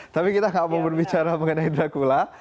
tapi kita gak mau berbicara mengenai dracula